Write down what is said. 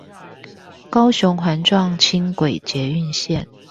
高雄環狀輕軌捷運線